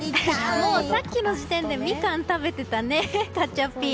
もうさっきの時点でミカンを食べてたね、ガチャピン。